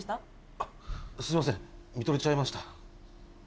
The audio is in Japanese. あっすいません見とれちゃいました